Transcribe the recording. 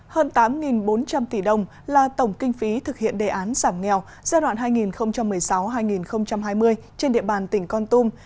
hơn tám bốn trăm linh tỷ đồng là tổng kinh phí thực hiện đề án giảm nghèo giai đoạn hai nghìn một mươi sáu hai nghìn hai mươi trên địa bàn tỉnh con tum